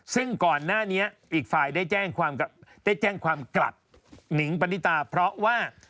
ซึ่งก่อนหน้านี้อีกฝ่ายได้แจ้งความกลับหนิงปณิตาเพราะว่า